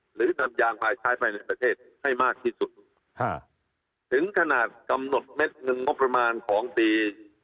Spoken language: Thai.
หรือนำยางพายใช้ภายในประเทศให้มากที่สุดถึงขนาดกำหนดเม็ดเงินงบประมาณของปี